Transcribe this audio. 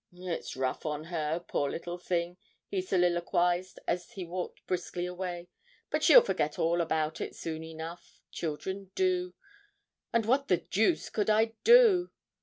'It's rough on her, poor little thing!' he soliloquised as he walked briskly away; 'but she'll forget all about it soon enough children do. And what the deuce could I do?